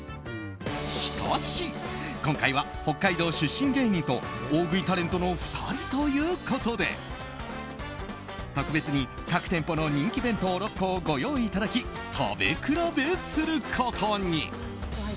しかし、今回は北海道出身芸人と大食いタレントの２人ということで特別に各店舗の人気弁当６個をご用意いただき食べ比べすることに。